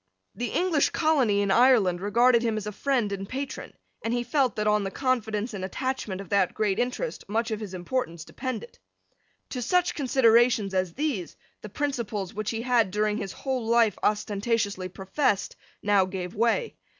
The English colony in Ireland regarded him as a friend and patron; and he felt that on the confidence and attachment of that great interest much of his importance depended. To such considerations as these the principles, which he had, during his whole life, ostentatiously professed, now gave way.